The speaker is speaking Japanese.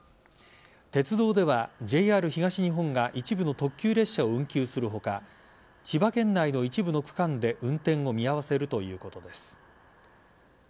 鉄道ではＪＲ東日本が一部の特急列車を運休する他千葉県内の一部の区間で運転を見合わせるということです。